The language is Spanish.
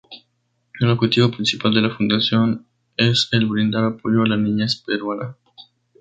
El objetivo principal de la Fundación es el brindar apoyo a la niñez peruana.